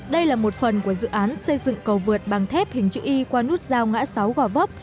đây là một phần của dự án xây dựng cầu vượt bằng thép hình chữ y qua nút giao ngã sáu gò vấp